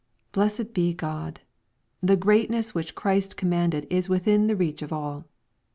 Blessed be God 1 the greatness which Christ commended is within the reach of all.